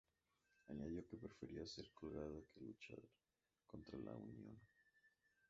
Añadió que prefería ser colgada que luchar contra la Unión.